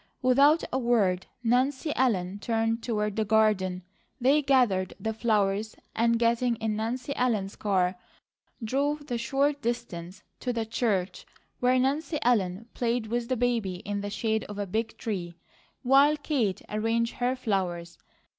Without a word Nancy Ellen turned toward the garden. They gathered the flowers and getting in Nancy Ellen's car drove the short distance to the church where Nancy Ellen played with the baby in the shade of a big tree while Kate arranged her flowers.